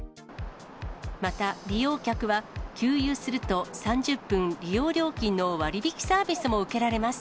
また、利用客は、給油すると３０分利用料金の割引サービスも受けられます。